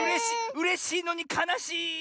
うれしいのにかなしい。